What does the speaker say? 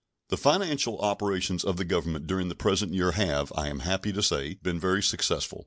The financial operations of the Government during the present year have, I am happy to say, been very successful.